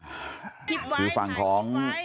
แล้วป้าไปติดหัวมันเมื่อกี้แล้วป้าไปติดหัวมันเมื่อกี้